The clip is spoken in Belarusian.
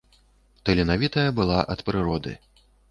Таленавітая была ад прыроды.